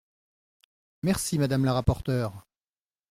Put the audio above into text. Merci, madame la rapporteure.